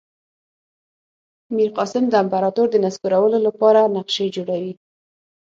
میرقاسم د امپراطور د نسکورولو لپاره نقشې جوړوي.